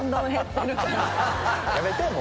やめてもう。